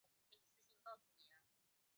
毛凤朝同尚宁王等人一起被掳到萨摩藩。